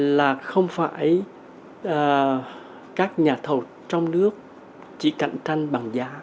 là không phải các nhà thầu trong nước chỉ cạnh tranh bằng giá